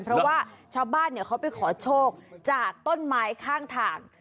เพราะว่าชาวบ้านเขาไปขอโชคจากต้นไม้ข้างทาง